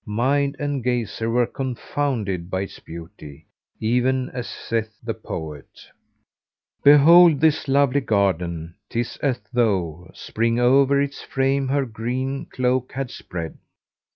Mind and gazer were confounded by its beauty, even as saith the poet, "Behold this lovely garden! 'tis as though * Spring o'er its frame her greeny cloak had spread.